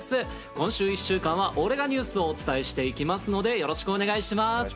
今週１週間は俺がニュースをお伝えしていきますので、よろしくお願いします。